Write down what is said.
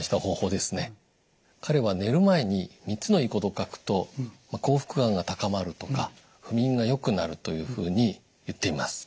彼は寝る前に３つのいいことを書くと幸福感が高まるとか不眠が良くなるというふうに言っています。